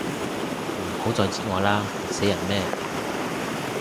唔好再擳我啦，痕死人咩